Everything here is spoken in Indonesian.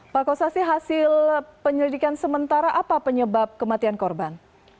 pak kosasi hasil penyelidikan sementara apa penyebab kematian korban